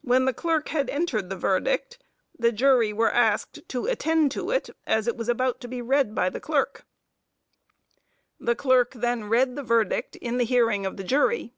When the clerk had entered the verdict, the jury were asked to attend to it, as it was about to be read by the clerk. The clerk then read the verdict in the hearing of the jury.